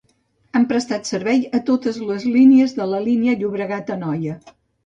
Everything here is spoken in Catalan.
Han prestat servei a totes les línies de la línia Llobregat-Anoia.